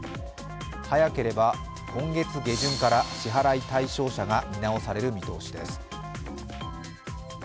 早ければ今月下旬から支払い対象者が見直される見通しです。